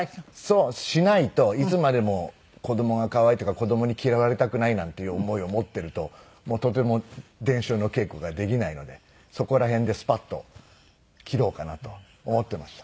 そうしないといつまでも子供が可愛いっていうか子供に嫌われたくないなんていう思いを持っているととても練習の稽古ができないのでそこら辺でスパッと切ろうかなと思っていました。